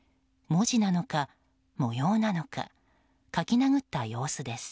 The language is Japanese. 文字なのか、模様なのか書き殴った様子です。